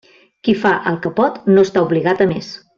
Qui fa el que pot no està obligat a més.